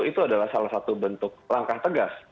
itu adalah salah satu bentuk langkah tegas